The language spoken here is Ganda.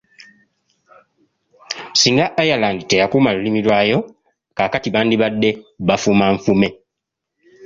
Singa Ireland teyakuuma lulimi lwayo, kaakati bandibadde bafuma nfume.